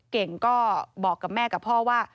เก่งก็บอกกับแม่กับพ่อว่า